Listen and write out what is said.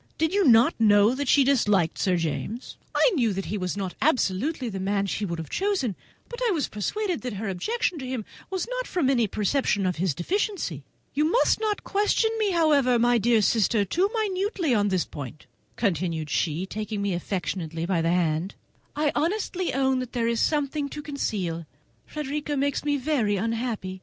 Did you not know that she disliked Sir James?" "I knew that he was not absolutely the man she would have chosen, but I was persuaded that her objections to him did not arise from any perception of his deficiency. You must not question me, however, my dear sister, too minutely on this point," continued she, taking me affectionately by the hand; "I honestly own that there is something to conceal. Frederica makes me very unhappy!